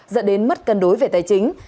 dẫn đến mất cân đối về tài chính